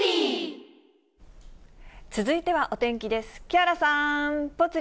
続いてはお天気です。